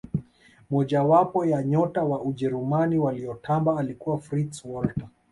moja wapo ya nyota wa ujerumani waliyotamba alikuwa fritz walter